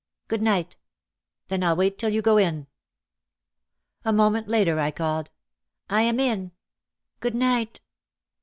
"Good night ! Then I'll wait till you go in." A moment later I called : "I am in. Good night